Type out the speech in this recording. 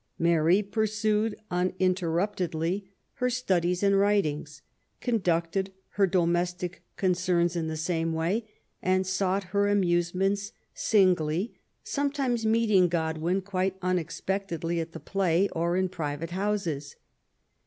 Mary pursued uninterruptedly her studies and writings, conducted her domestic concerns in the same way, and sought her amusements singly, sometimes meeting Oodwin quite unexpectedly at the play or in private houses.